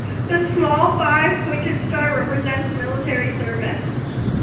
The small five pointed star represents military service.